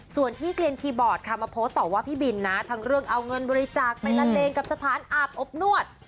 ส่วนที่เกลียนคีย์บอร์ดค่ะมาโพสต์ต่อว่าพี่บินนะทั้งเรื่องเอาเงินบริจาคไปละเลงกับสถานอาบอบนวด